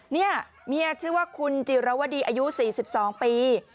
เนี่ยเมียชื่อว่าคุณจิรวดีอายุ๔๒ปี